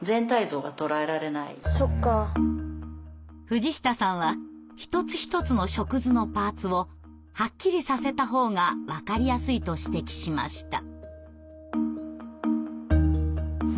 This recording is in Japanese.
藤下さんは一つ一つの触図のパーツをはっきりさせた方が分かりやすいと指摘しました。